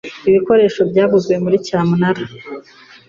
Ibikoresho byaguzwe muri cyamunara.